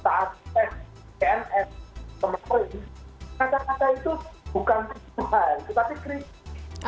saat tes tns ke sembilan kata kata itu bukan kesempatan tapi kritik